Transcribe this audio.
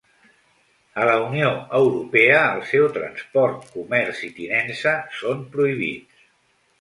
A la Unió Europea el seu transport, comerç i tinença són prohibits.